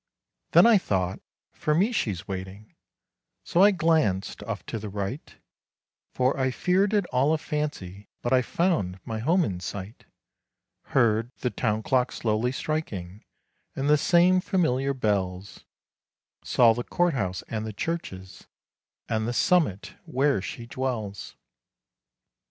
Then I thought, "For me she's waiting" so I glanced off to the right, For I feared it all a fancy, but I found my home in sight; Heard the town clock slowly striking, and the same familiar bells, Saw the court house and the churches, and "The Summit," where she dwells.